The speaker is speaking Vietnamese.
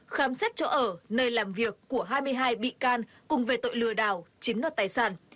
khám xét chỗ ở nơi làm việc của hai mươi hai bị can cùng về tội lừa đảo chiếm đoạt tài sản